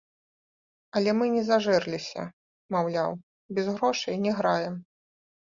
Але мы не зажэрліся, маўляў, без грошай не граем.